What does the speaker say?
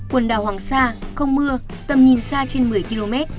quần đảo hoàng sa không mưa tầm nhìn xa trên một mươi km